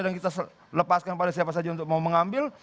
dan kita lepaskan pada siapa saja untuk mau mengambil